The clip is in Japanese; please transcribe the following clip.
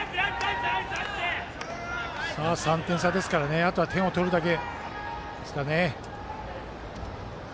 ３点差ですからあとは点を取るだけですね。